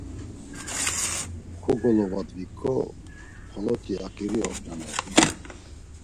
Kogolovadviǩo xoloti akiri ognanert̆u.